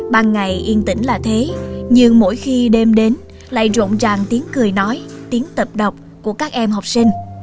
ban ngày yên tĩnh là thế nhưng mỗi khi đêm đến lại rộn ràng tiếng cười nói tiếng tập đọc của các em học sinh